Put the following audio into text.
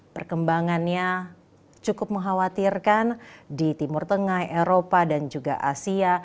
perkembangannya cukup mengkhawatirkan di timur tengah eropa dan juga asia